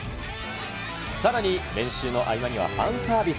さらに練習の合間にはファンサービス。